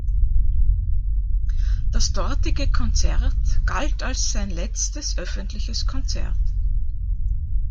Das dortige Konzert galt als sein letztes öffentliches Konzert.